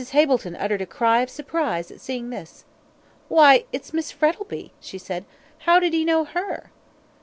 Hableton uttered a cry of surprise at seeing this. "Why, it's Miss Frettlby," she said. "How did he know her?"